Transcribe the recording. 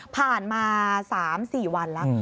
ผ่านมา๓๔วันแล้ว